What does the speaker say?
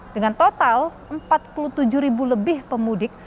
dengan total empat puluh tujuh ribu lebih pemudik